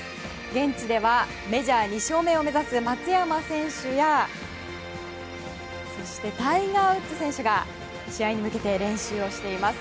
現地では、メジャー２勝目を目指す松山選手やそして、タイガー・ウッズ選手が試合に向けて練習をしています。